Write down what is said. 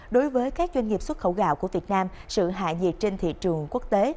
đối với các doanh nghiệp xuất khẩu gạo của việt nam sự hạ nhiệt trên thị trường quốc tế